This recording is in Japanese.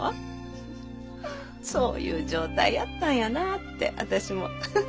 フフフそういう状態やったんやなって私も。